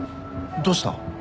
どうした？